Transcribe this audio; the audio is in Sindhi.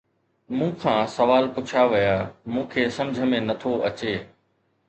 مون کان سوال پڇيا ويا، مون کي سمجھ ۾ نه ٿو اچي